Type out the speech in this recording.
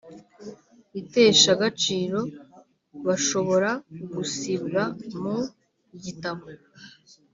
iteshagaciro bashobora gusibwa mu gitabo